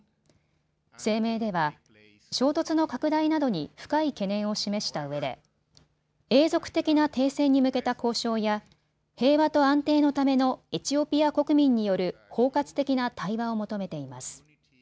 声明では衝突の拡大などに深い懸念を示したうえで永続的な停戦に向けた交渉や平和と安定のためのエチオピア国民による包括的な対話を求めています。